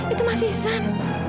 itu mas ihsan